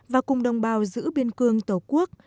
và cùng đồng bào giữ biên cương tổ quốc